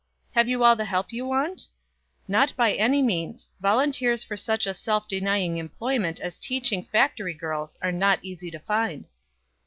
"Have you all the help you want?" "Not by any means. Volunteers for such a self denying employment as teaching factory girls are not easy to find."